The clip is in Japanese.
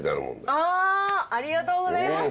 ありがとうございます。